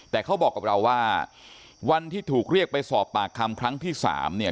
แต่เขาบอกกับเราว่าวันที่ถูกเรียกไปสอบปากคำครั้งที่สามเนี่ย